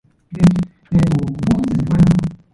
Paris was still the official capital.